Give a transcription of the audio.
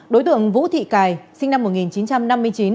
đối tượng vũ thị cài sinh năm một nghìn chín trăm năm mươi chín